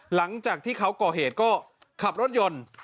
หลังจากที่เขาก่อเหตุก็ขับรถยนต์